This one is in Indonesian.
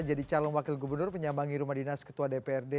jadi calon wakil gubernur penyambangir rumah dinas ketua dprd